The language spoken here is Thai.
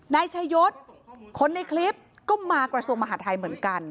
นายชายศคนในคลิปก็มากระทรวงมหาทัยเหมือนกัน